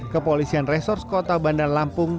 kepolisian resors kota bandar lampung